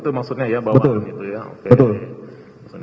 itu maksudnya ya bawahan itu ya